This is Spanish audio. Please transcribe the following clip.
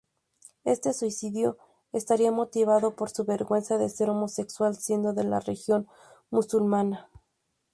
Este "suicidio" estaría motivado por su vergüenza de ser homosexual siendo de religión musulmana.